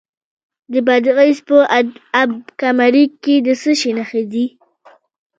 د بادغیس په اب کمري کې د څه شي نښې دي؟